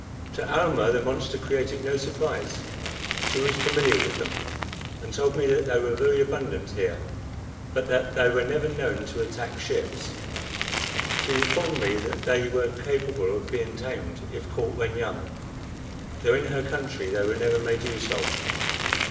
To Almah the monster created no surprise; she was familiar with them, and told me that they were very abundant here, but that they never were known to attack ships. She informed me that they were capable of being tamed if caught when young, though in her country they were never made use of.